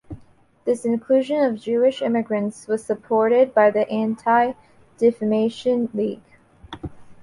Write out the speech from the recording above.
This inclusion of Jewish immigrants was supported by the Anti-Defamation League.